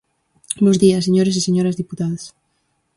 Bos días, señores e señoras deputadas.